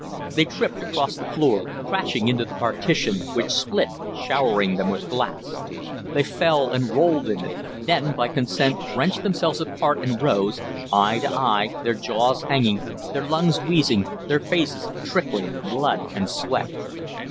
They tripped across the floor, crashing into the partition, which split, showering them with glass. They fell and rolled in it; then, by consent, wrenched themselves apart and rose, eye to eye, their jaws hanging, their lungs wheezing, their faces trickling blood and sweat.